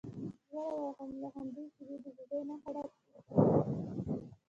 ژر او له همدې شیبې د ډوډۍ نه خوړلو اعتصاب وکړئ.